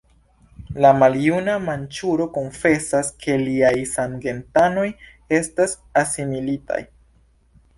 La maljuna manĉuro konfesas ke liaj samgentanoj estas asimilitaj.